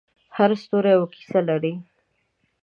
هر ستوری یوه کیسه لري.